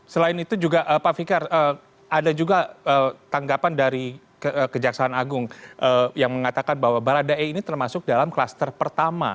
selain itu juga pak fikar ada juga tanggapan dari kejaksaan agung yang mengatakan bahwa baradae ini termasuk dalam kluster pertama